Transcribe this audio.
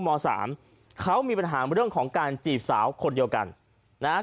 มสามเขามีปัญหาเรื่องของการจีบสาวคนเดียวกันนะฮะ